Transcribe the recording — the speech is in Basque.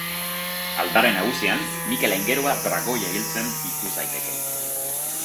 Aldare nagusian Mikel aingerua dragoia hiltzen ikus daiteke.